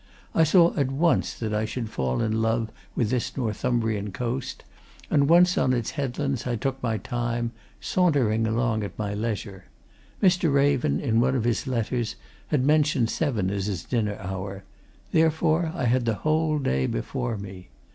I saw at once that I should fall in love with this Northumbrian coast, and once on its headlands I took my time, sauntering along at my leisure: Mr. Raven, in one of his letters, had mentioned seven as his dinner hour: therefore, I had the whole day before me.